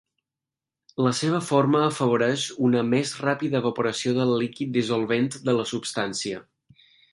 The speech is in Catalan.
La seva forma afavoreix una més ràpida evaporació del líquid dissolvent de la substància.